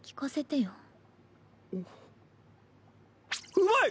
うまい！